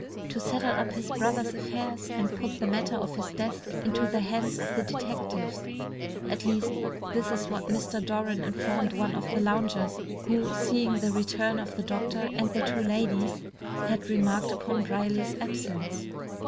"To settle up his brother's affairs, and put the matter of his death into the hands of the detectives." At least this is what Mr. Doran informed one of the loungers who, seeing the return of the doctor and the two ladies, had remarked upon Brierly's absence.